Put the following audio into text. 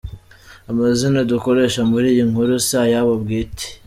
Amazina dukoresha muri iyi nkuru si ayabo bwite.